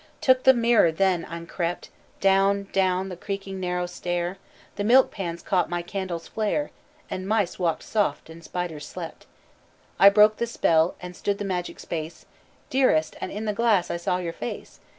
"Took I the mirror then, and crept Down, down the creaking narrow stair; The milk pans caught my candle's flare And mice walked soft and spiders slept. I spoke the spell, and stood the magic space, Dearest and in the glass I saw your face!